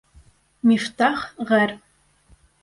Мифтах ғәр.